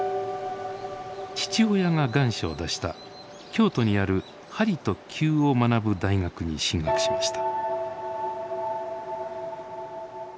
父親が願書を出した京都にある鍼と灸を学ぶ大学に進学しました。